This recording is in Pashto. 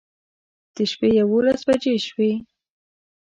د شپې يوولس بجې شوې